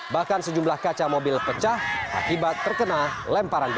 bahkan sejumlah kaca mobil pecah akibat terkena lemparan